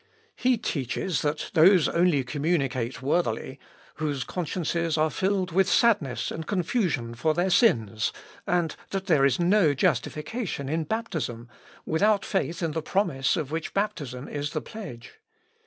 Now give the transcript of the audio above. He teaches that those only communicate worthily whose consciences are filled with sadness and confusion for their sins, and that there is no justification in baptism, without faith in the promise of which baptism is the pledge.